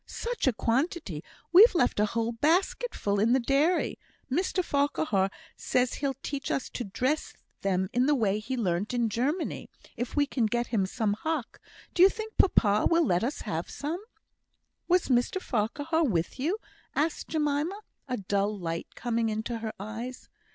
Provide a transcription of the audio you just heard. "Such a quantity! We've left a whole basketful in the dairy. Mr Farquhar says he'll teach us how to dress them in the way he learnt in Germany, if we can get him some hock. Do you think papa will let us have some?" "Was Mr Farquhar with you?" asked Jemima, a dull light coming into her eyes.